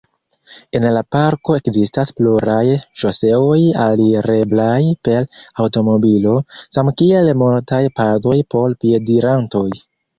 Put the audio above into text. En la parko ekzistas pluraj ŝoseoj alireblaj per aŭtomobilo, samkiel multaj padoj por piedirantoj.